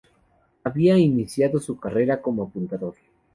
Había iniciado su carrera como apuntador.